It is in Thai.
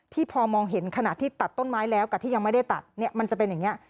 พอมองเห็นขณะที่ตัดต้นไม้แล้วกับที่ยังไม่ได้ตัดเนี่ยมันจะเป็นอย่างนี้